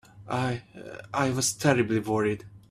I—I was terribly worried.